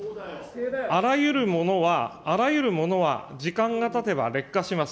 あらゆるものは、あらゆるものは時間がたてば劣化します。